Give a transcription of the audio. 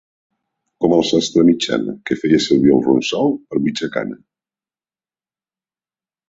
Com el sastre Mitjana, que feia servir el ronsal per mitja cana.